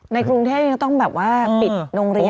ในกรุงเทศยังต้องปิดโรงเรียน